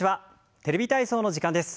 「テレビ体操」の時間です。